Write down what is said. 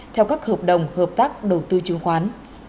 theo các hợp đồng hợp tác đầu tư chứng khoán